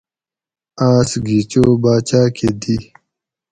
آۤس گھی چو باچاۤ کہ دی